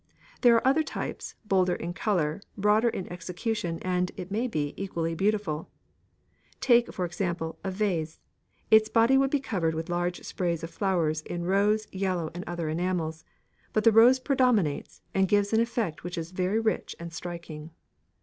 There are other types, bolder in colour, broader in execution, and, it may be, equally beautiful. Take, for example, a vase; its body would be covered with large sprays of flowers in rose, yellow, and other enamels, but the rose predominates and gives an effect which is very rich and striking.